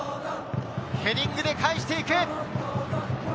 ヘディングで返して行く。